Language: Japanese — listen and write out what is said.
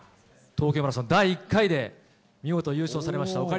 東京マラソン第１回で見事優勝されました。